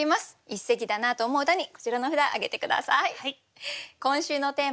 一席だなと思う歌にこちらの札挙げて下さい。